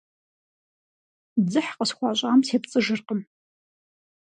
Дзыхь къысхуащӀам сепцӀыжыркъым.